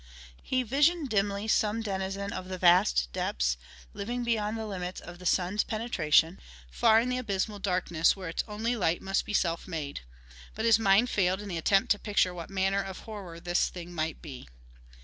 He visioned dimly some denizen of the vast depths, living beyond the limits of the sun's penetration, far in the abysmal darkness where its only light must be self made. But his mind failed in the attempt to picture what manner of horror this thing might be.